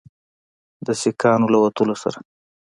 د سیکانو له وتلو سره